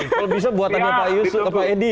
kalau bisa buatannya pak yusuf pak edi ya